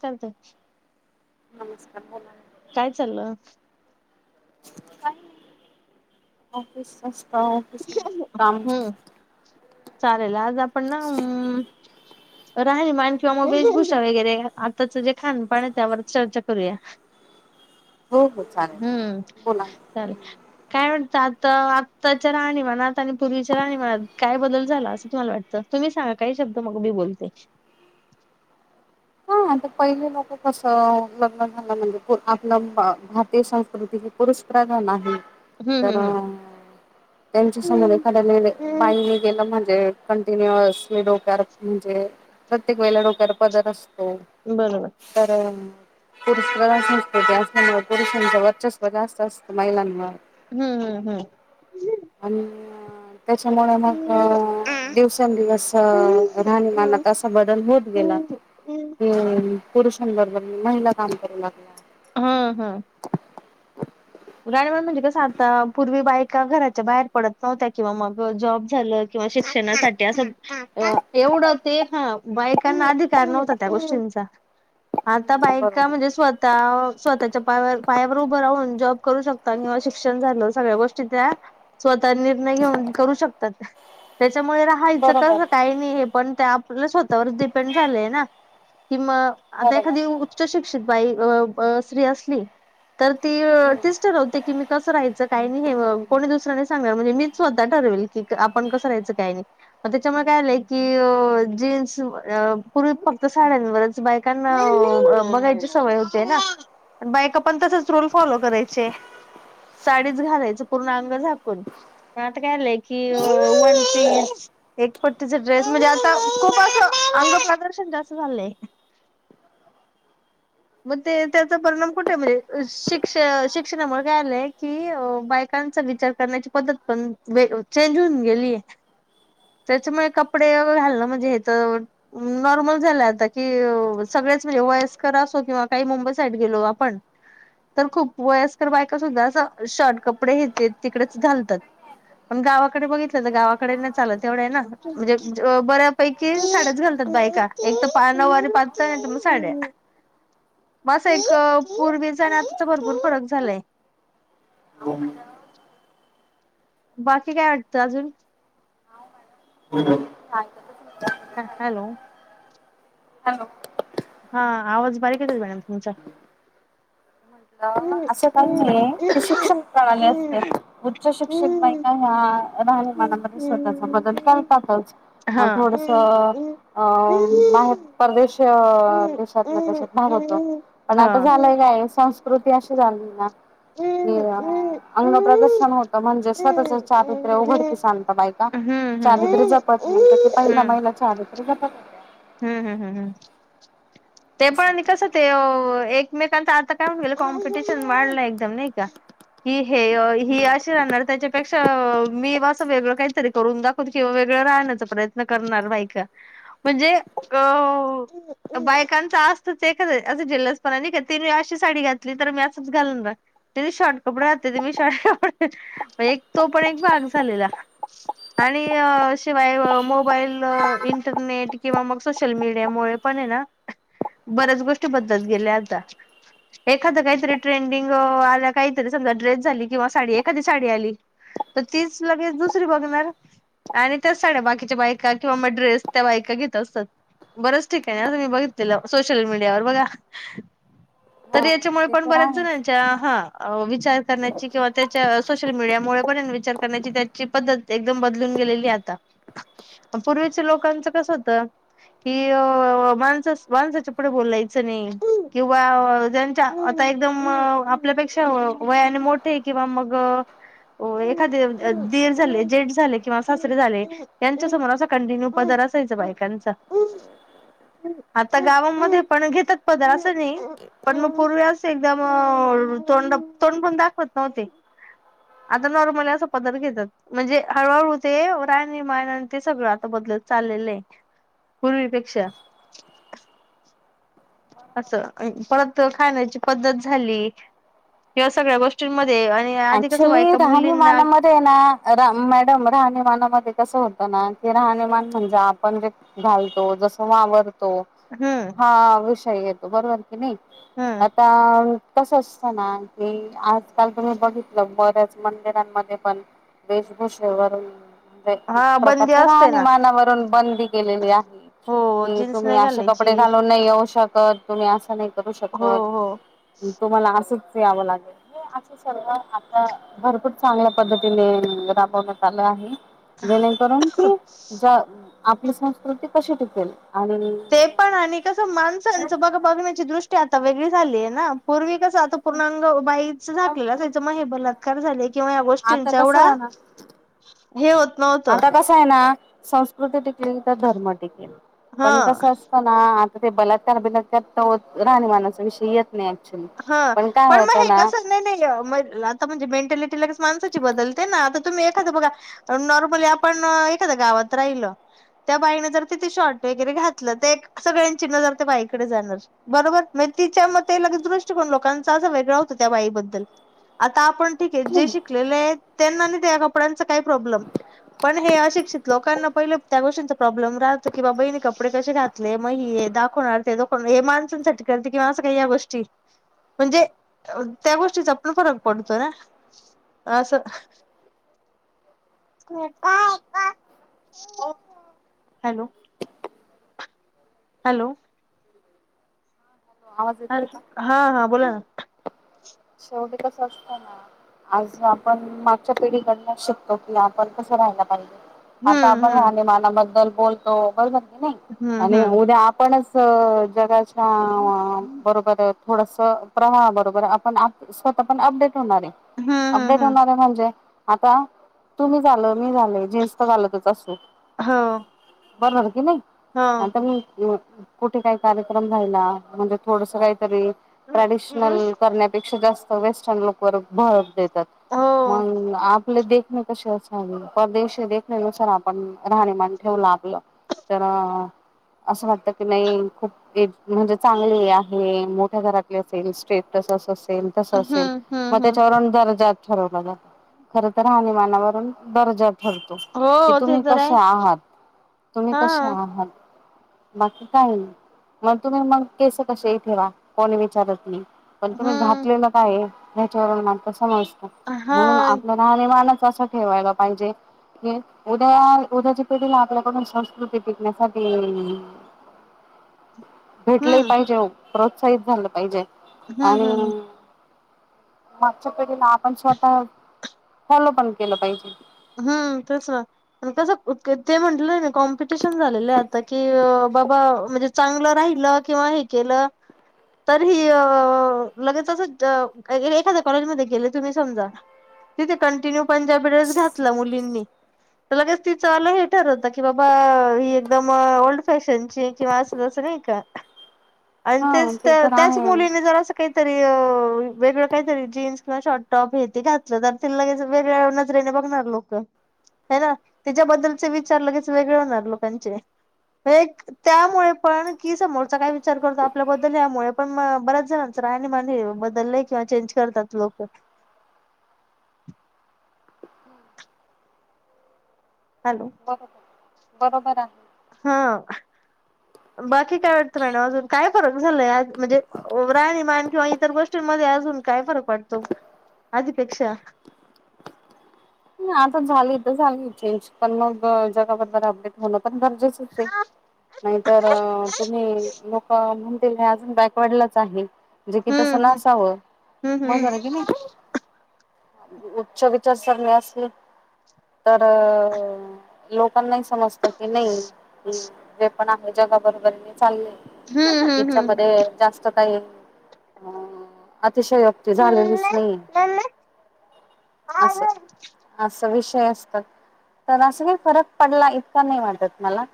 चालतंय. नमस्कार बोला ना. काय चाललं? [inaudible] काम हम् चालेल आज आपण ना राहनी मान किंवा मग बेशभूषा वगैरे आताचं जे खाणपण ये त्यावर चर्चा करूया. हो हो चालेल हम्म. बोला. हा चालेल, काय म्हणत आता आता च्या राहणी मानात आणि पूर्वीच्या राहणी मानात काय बदल झाला असं तुम्हाला वाटतं तुम्ही सांगा काही शब्द मग मी बोलते. आता पहिले लोक कस लग्न झालं म्हणजे आपलं भारतीय संस्कृती पुरुष प्रधान आहे. हम्म तर त्यांच्या समोर हम्म एखाद्या निर्णय हम्म बाई गेलं म्हणजे कंटिन्यस मी डोक्यावर म्हणजे प्रत्येक वेळेला डोक्यावर पदर अस हो. बरोबर. बरं. पुरुष प्रधान संस्कृती असल्यामुळे पुरुषांचं वर्चस्व जास्त असतं महिलांमुळ. हम्म हम्म हम्म. आणि त्याच्यामुळे मग दिवसेंदिवस हम्म राहणीमानात असा बदल होत गेला. ते पुरुषांबरोबर तर महिला काम करू लागल्या. हां.. हा.. गाडीवर म्हणजे कसं आता पूर्वी बायका घराच्या बाहेर पडत नव्हत्या किंवा मग जॉब झालं किंवा शिक्षणासाठी असं एवढं ते ह बायकांना अधिकार नव्हता त्या गोष्टींचा. आता हम्म बायका म्हणजे स्वतः स्वतःच्या पायावर -पायावर उभं राहून जॉब करू शकतात किंवा शिक्षण झालं सगळ्या गोष्टी त्या स्वतः निर्णय घेऊन करू शकतात, त्याच्यामुळे राहायचं बरोबर कसं काय नी हे पण आपलं स्वतःवर डिपेंड झालेय ना कि म आता एखादी बरोबर उच्च शिक्षित बाई अ ब स्री असली, तर ती तीच ठरवते की मी कसं राहायचं, काही नाही हे कोणी दुसर नाही सांगणार, म्हणजे मीच स्वतः ठरवेल की आपण कसं राहायचं काही नाही. मग त्याच्यामुळे काय झालंय की जीन्स पूर्वी फक्त साड्यांवरच बायकांना बघायची सवय होतीयं ना, बायका पण तसच रूल फॉलो कराय चे साडीच घालायचं पूर्ण अंग झाकून. मग आता काय आलंय की, वनपीस एक पट्टीचा ड्रेस म्हणजे आता खूप असं अंंग प्रदर्शन जास्त चाललंय. मग ते त्याचा परिणाम कुठे म्हणजे शिक्ष शिक्षणामुळे काय आलंय की बायकांचा विचार करण्याची पद्धत बदलून, चेंज होऊन गेलीयं. त्याच्यामुळे कपडे वगैरे घालणं म्हणजे हे तर नॉर्मल झालाय आता कि, सगळेच म्हणजे वयस्कर असू हो किंवा काही मुंबई साईड गेलो आपण तर खूप वयस्कर बायका सुद्धा असं शॉर्ट कपडे हे ते तिकडेच घालतात. पण गावाकडे बघितलं तर गावाकडे नाही चालत तेवढं आहे ना- म्हणजे बऱ्यापैकी साड्याच घालतात बायका एक तर नऊवारी पातळ नाही तर मग साड्या- म असं एक पूर्वीचा आणि आत्ताचा भरपूर फरक झालाय. हो बाकी काय वाटतं अजून? [unintelligible] ह हॅलो हॅलो हा आवाज बारीक येतोय मॅडम तुमचा. हा. अस काही नाहीय ते शिक्षण प्रणाली असते, उच्च शिक्षित बायका ह्या राहणीमानामध्ये स्वतःचा बदल करतातच. मग थोडसं अ बाहेर. परदेश देशात त्याच्यात भाग होतं पण हा. आता झालंय काय संस्कृती अशी झाली ना हे हम्म अ- हम्म अंग हम्म प्रदर्शन होतं म्हणजे स्वतःच हम्म चारित्र्य उघडकीस आणतं बायका- हम्म चारित्र्य जपत मग जसं पहिला महिला चारित्र्य जपत हूं.. हूं.. हूं.. हूं ते पण होत्या. आणि तस. ते एकमेकांचं आता काय होऊन गेलं कॉम्पिटिशन वाढलं एकदम नाही का, कि हे ही हम्म. अशी राहणार त्याच्या पेक्षा मी असं वेगळं काहीतरी करून दाखवते किंवा वेगळं राहण्याचा प्रयत्न करणार बायका. म्हणजे अ बायकांच असतचं एखाद असं जलसपणा नाही का तिनी अशी साडी घातली तर, मी असंच घालून रा तिने शॉर्ट कपडे राहते ते मी शॉर्ट कपडे म्हणजे [unintelligible] एक तो पण एक भाग झालेला. आणि शिवाय मोबाईल, इंटरनेट किंवा मग- सोशल मीडियामुळे पण आहे ना बऱ्याच गोष्टी बदलत गेल्या आता. एखादं काहीतरी ट्रेंडिंग आल्या काहीतरी समजा ड्रेस झाली किंवा साडी एखादी साडी आली तर तीच लगेच दुसरी बघणार आणि त्योच साड्या बाकीच्या बायका किंवा मग ड्रेस त्या बायका घेत असतात. बरच ठिकाणी आं मी बघितलेलं सोशल मीडियावर बघा. तर हा याच्यामुळे ते पण तर बऱ्याच आहेच. जणांच्या हा विचार करण्याची किंवा त्याच्या सोशल मीडियामुळे पण विचार करण्याची त्याची पद्धत एकदम बदलून गेलेली आता. आण पूर्वीच्या लोकांच कसं होत कि माणसा माणसाच्या पुढे बोलायचं नाही किंवा आता एकदम आपल्यापेक्षा वयाने मोठे किंवा मग हो एखादे दीर झाले जेट झाले किंवा सासरे झाले त्यांच्या समोर असा कंटिन्यू पदार असायचा बायकांचा. आता गावामध्ये पण घेतात पदार असं नाही. पण मग पूर्वी अस एकदा म तोंड तोंड पण दाखवत नव्हते. आता नॉर्मल असा पदावी घेतात. म्हणजे हळूहळू ते राहणी मान ते सगळं आता बदलत चाललेले. पूर्वीपेक्षा. असं, परत खाण्याची पद्धत झाली या सगळ्या गोष्टींमध्ये आणि आधी कसं ऍक्च्युली बायका मुलींना राहणीमानाम तो ना मॅडम राहणीमानामध्ये कसं होतं ना की राहणीमान म्हणजे आपण जे घालतो जस वावरतो. हम्म. हा विषय येतो बरोबर कि नाही. हम्म आता कस असत ना की आजकाल त बघितलं बऱ्याच मंदिरांमध्ये पण वेशभूषेवरून एक हा बंदी प्रकारच्या असते ना राहणीमानावरून बंदी केलेली आहे. हो कि जीन्स तुम्ही नाही असे घालायची कपडे घालून नाही येऊ शकत तुम्ही असं नाही करू हो शकत. हो तुम्हाला असच यावं लागेल. आता भरपूर चांगल्या पद्धतीने राबवण्यात आलं आहे. जेणेकरून की ज आपली संस्कृती कशी टिकेल आणि ते पण आणि कसं माणसांचं बघ बघण्याची दृष्टी आता वेगळी झाली आहे ना पूर्वी कसं आता पूर्णांग बाईच झाकलेलं असायचं मग हे बलात्कार झाले किंवा या आता गोष्टींचा कसं एवढा आहे ना हे होत नव्हतं. तो ना संस्कृती टिकेल का धर्म टिकेल पण हा कस अस तो ना आता ते बलात्कार-बीलात्कार तवा राहणीमानाचा विषय येत नाही. हा पण काय होत मग हे ना कसं नाही नाही आता म्हणजे मेंटॅलिटी लगेच माणसाची बदलते ना आता तुम्ही एखादं बघा नॉर्मली आपण एखाद्या गावात राहिल. त्या बाईनें जर तिथे शॉर्ट वगैरे घातलं तर सगळ्यांचि नजर त्या बाईकडे जाणार. बरोबर म तिच्या मते लगे दृ दृष्टिकोन लोकांचा असा वेगळा होतो त्या बाई बद्दल. आता आपण ठीक आहे जे शिक लेले आहे त्यांना नाही त्या कपड्यांचा काही प्रॉब्लेम. पण हे अशिक्षित लोकांना पहिले त्या गोष्टींचा प्रॉब्लेम राहतो, की बाबा हिने कपडे कसे घात नाही मग ही हे दाखवणार ते दाखवणार. हे माणसांसाठी करते, किंवा असं काही या सगळ्या गोष्टी. म्हणजे त्या गोष्टीचा पण फरक पडतो ना. आसं [unintelligible] हॅलो हॅलो आवाज येतोय का? हॅलो. हा, हा बोला ना. शेवटी कस असताना आज आपण मागच्या पिढीकडन शिकतो की, आपण कसं राहायला पाहिजे. आता हम्म आपण हम्म राहणेमानाबद्दल बोलतो, बरोबर की नाही? हम्म आणि हम्म उद्या आपणच क जगाच्या बरोबर, थोडसं प्रवाहा बरोबर आपण स्वतः पण अपडेट होणारे, हम्म हम्म अपडेट हम्म होणारे म्हणजे आता तुम्ही झालं, मी झाल, जीन्स तर घालतच असू. हो बरोबर की नाही? हो [unintelligible] मी कुठे काही कार्यक्रमला राहिला, म्हणजे थोडस काहीतरी ट्रॅडिशनल करण्यात ते जास्त वेस्टन लूकवर भर देतात. हो मग आपले दे कशी असावी. परदेश देखण्यानुसार आपण राहणीमान ठेवलं आपलं तर, असं वाटत की नाही, खूप एक म्हणजे चांगले आहे, मोठ्या घरातले असेल, स्टेटस अस तस हम्म असेल. मग हम्म हम्म त्याच्यावरुण दर्जा ठरवला जातो. खर तर राहणीमानावरून दर्जा ठरतो. की हो ते तुम्ही तर कसे आहे आहात? तुम्ही हा कसे आहात? बाकी काही नाही. मग तुम्ही मग केस कशेही ठेवा, कोणी विचारत नाही. पण तुम्ही हम्म घातलेलं काय? त्याच्यावरून मात्र समाज [unintelligible] हा म्हणून आपलं राहणीमाणच असं ठेवायला पाहिजे की उद्या, उद्याची पिढीनं आपल्याकडून संस्कृती टिकण्यासाठी [inaudible] भेटलं हम्म पाहिजे ओ प्रोत्साहित झालं पाहिजे. हम्म हम्म आणि मागच्यापिढीला आपण स्वतः, फॉलो पण केलं पाहिजे. हा तसं. कसं ते म्हंटलं ना, कॉम्पिटिशन झालेलं आहे आता की, बाबा म्हणजे चांगलं राहिलं किंवा हे केलं तरी ह अ लगेच असं, एखाद्या कॉलेजमध्ये गेले तुम्ही समजा तिथे कंटिन्यू पंजाबी ड्रेस घातला मुलींनी तर लगेच तीचं वाल हे ठरवता की, बाबा ही एकदम ओल्ड फॅशनची आहे. किंवा असं जसं नाही का. आणि हा तेच ते तर त्याच आहे मुलीने जर असं काहीतरी वेगळं काहीतरी जीन्स किंवा शॉर्टटॉप हे ते घातलं, तर तिला लगेच वेगळ्या नजरेने बघणार. लोकं हे ना. तेच्याबद्दलचे विचार लगेच वेगळे होउन जातात लोकांचे. एक त्यामुळे पण की समोरचा काय विचार करतो आपल्याबद्दल? यामुळे पण बऱ्याच जण राहणीमान हे बदलंय किंवा चेंज करतात लोक. हॅलो बर [inaudible] बरोबर आहे. हा. बाकी काय वाटतं मॅडम? अजून काय फरक झालाय आज? म्हणजे राहणीमान किंवा इतर गोष्टींमध्ये अजून काय फरक वाटतो? आधीपेक्षा हा आता झाली तर झाली चेंज पण मग जगाबद्दल अपडेट होणं पण गरजेचंच आहे. नाहीतर तुम्ही लोकं म्हणतील हे अजून बॅकवर्डलाच आहे. जे कि हम्म तसं नसावं हम्म मग हम्म आहे कि नाही. उच्च विचार सगळ्यात अस! ली तर अ लोकांना समजतं की नाही जे पण आहे जगाबरोबर मी चालले हम्म हम्म तिच्यामध्ये जास्त! सकाळी, अतिशय योक्ती झालेलीच नाहीेये हम्म असं? हम्म असं विषय असतात तर अस काही फरक पडला इतका नाही वाटत मला.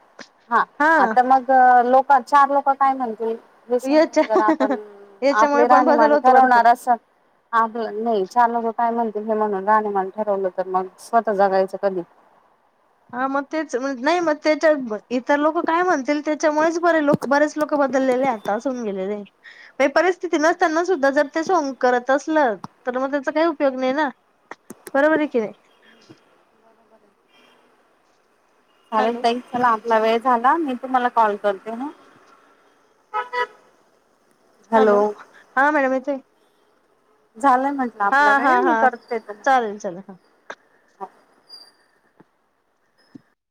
हा, आता मग लोकं चार लोकं काय म्हणतील. सून याच्या जर आपण याच्यामुळे आपली पण बदल राहणीमान होतो भरपूर ठरवणार अस. आपलं नाही चार लोक काय म्हणतील हे म्हणून राहणीमान ठरवलं तर मग स्वतः जगायचं कधी? हा मग तेच म नाही मग त्याच्यात, इतर लोकं काय म्हणतील त्याच्यामुळेच बरे लोक बरेच लोक बदललेले आहे आता असं हून गेलेले आहे. ते परिस्थिती नसताना सुद्धा जर ते सोंग करत असलं? तर मग त्याचा काही उपयोग नाही ना, बरोबर आहे की नाही. चालेल हॅलो ताई चला आपला वेळ झाला मी तुम्हाला कॉल करते हां. हॅलो हा मॅडम येतय. झालंय म्हंटलं आपला हा वेळ मी हा करते पुन्हा? चालेल चालेल हा